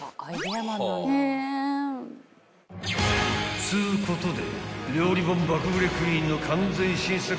［っつうことで］